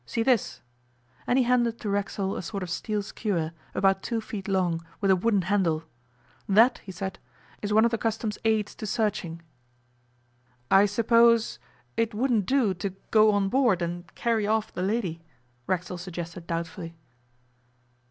See this,' and he handed to Racksole a sort of steel skewer, about two feet long, with a wooden handle. 'That,' he said, 'is one of the Customs' aids to searching.' 'I suppose it wouldn't do to go on board and carry off the lady?' Racksole suggested doubtfully.